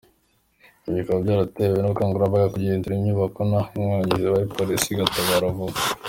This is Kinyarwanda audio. Ibi bikaba byaratewe n’ubukangurambaga, kugenzura inyubako n’aho inkongi zibaye polisi igatabara vuba.